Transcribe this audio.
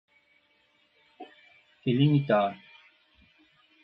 delimitar